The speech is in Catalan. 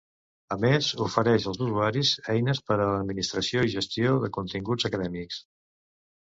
A més, ofereix als usuaris eines per a l’administració i gestió de continguts acadèmics.